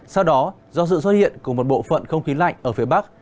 sau đó do sự xuất hiện của một bộ phận không khí lạnh ở phía bắc